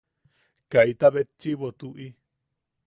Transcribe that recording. Kaita betchiʼibo tuʼi.